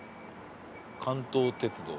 関東鉄道。